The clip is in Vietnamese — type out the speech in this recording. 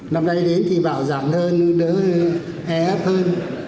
năm nay đến thì bạo giảm hơn đỡ hề hấp hơn